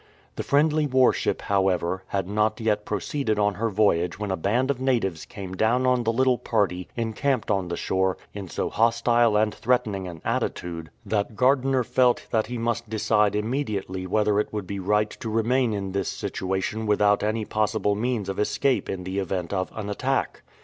The friendly warship, however, had not yet proceeded on her voyage when a band of natives came down on the little party encamped on the shore in so hostile and threatening an attitude that Gardiner felt 247 VISITS GERMANY AND SCOTLAND that he must decide immediately whether it would be right to remain in this situation without any possible means of escape in the event of an attack.